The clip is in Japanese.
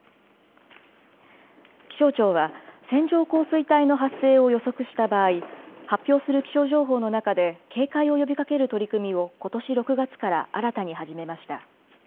気象庁は、線状降水帯の発生を予測した場合、発表する気象情報の中で警戒を呼びかける取り組みを、ことし６月から新たに始めました。